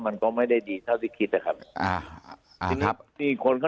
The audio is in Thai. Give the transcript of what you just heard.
มันก็ไม่ได้ดีเท่าที่คิดนะครับ